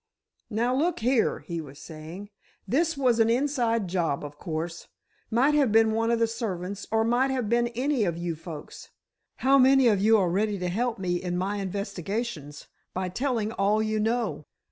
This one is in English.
"Now, look here," he was saying, "this was an inside job, of course. Might have been one of the servants, or might have been any of you folks. How many of you are ready to help me in my investigations by telling all you know?"